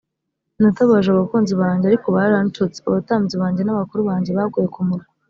“Natabaje abakunzi banjye ariko baranshutse, Abatambyi banjye n’abakuru banjye baguye ku murwa,